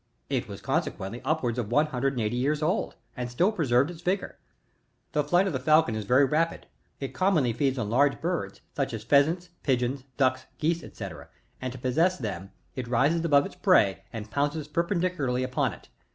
It was consequently, upwards of one hun dred and eighty years old, and still preserved its vigour. Tlie flight of the falcon is very rapid ; it commonly feeds on large birds, such as pheasants, pigeons, ducks, geese, &c., and to possess them, it rises above its prey, and pounces j^erpendicu larly upon it.